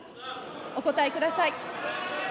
お答えください。